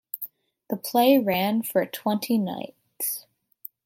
The play ran for twenty nights.